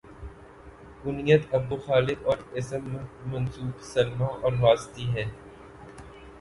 کنیت ابو خالد اور اسم منسوب سلمی اور واسطی ہے